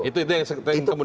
itu yang kemudian dikejar